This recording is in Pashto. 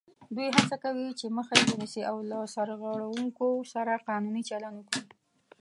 دوی هڅه کوي چې مخه یې ونیسي او له سرغړوونکو سره قانوني چلند وکړي